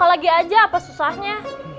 buka lagi aja apa susahnya